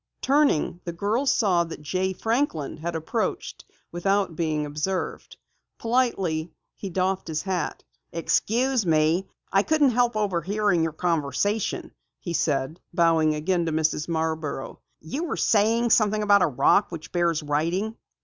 Turning, the girls saw that Jay Franklin had approached without being observed. Politely, he doffed his hat. "Excuse me, I couldn't help overhearing your conversation," he said, bowing again to Mrs. Marborough. "You were saying something about a rock which bears writing?"